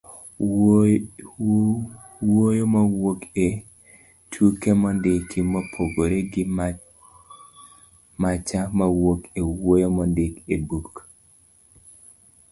wuoyo mawuok e tuke mondiki, mopogore gi macha mawuok e wuoyo mondik e buk